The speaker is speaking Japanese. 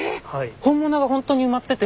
本物がほんとに埋まってて？